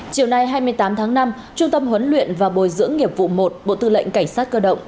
chiều nay hai mươi tám tháng năm trung tâm huấn luyện và bồi dưỡng nghiệp vụ một bộ tư lệnh cảnh sát cơ động